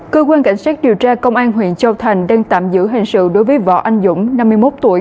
cơ quan cảnh sát điều tra công an huyện châu thành đang tạm giữ hình sự đối với võ anh dũng năm mươi một tuổi